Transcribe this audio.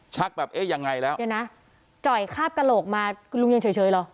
แบบเอ๊ะยังไงแล้วเดี๋ยวนะจ่อยคาบกระโหลกมาคุณลุงยังเฉยเหรอ